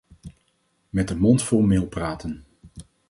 Met de mond vol meel praten.